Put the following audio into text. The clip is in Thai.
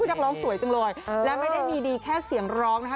นักร้องสวยจังเลยและไม่ได้มีดีแค่เสียงร้องนะคะ